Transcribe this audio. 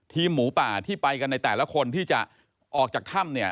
หมูป่าที่ไปกันในแต่ละคนที่จะออกจากถ้ำเนี่ย